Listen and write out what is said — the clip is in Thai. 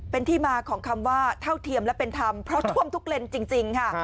เป็นที่มาของคำว่าเท่าเทียมและเป็นธรรมเพราะท่วมทุกเลนส์จริงค่ะ